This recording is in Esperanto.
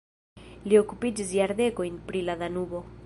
Li okupiĝis jardekojn pri la Danubo.